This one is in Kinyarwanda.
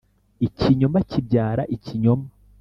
ikinyoma kibyara ikinyoma.